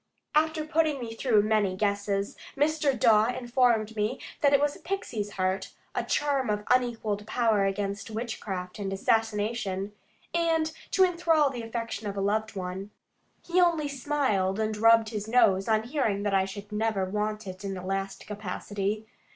After putting me through many guesses, Mr. Dawe informed me that it was a pixie's heart, a charm of unequalled power against witchcraft and assassination, and to enthral the affection of a loved one. He only smiled, and rubbed his nose, on hearing that I should never want it in the last capacity.